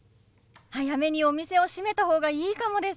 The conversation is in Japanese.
早めにお店を閉めた方がいいかもです。